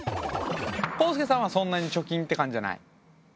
こうすけさんはそんなに貯金って感じじゃない？